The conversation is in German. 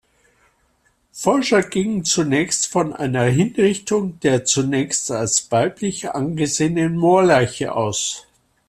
Forscher gingen zunächst von einer Hinrichtung der zunächst als weiblich angesehenen Moorleiche aus.